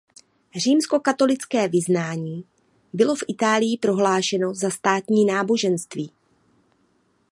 Římskokatolické vyznání bylo v Itálii prohlášeno za státní náboženství.